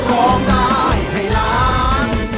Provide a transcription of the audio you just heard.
ของได้ให้ร้าน